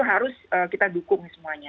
harus kita dukung semuanya